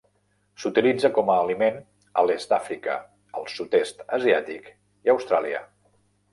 S'utilitza com a aliment a l'est d'Àfrica, el Sud-est asiàtic i Austràlia.